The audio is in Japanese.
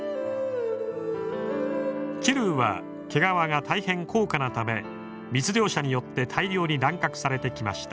チルーは毛皮が大変高価なため密猟者によって大量に乱獲されてきました。